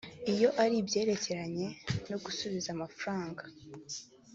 iyo ari ibyerekeranye no gusubiza amafaranga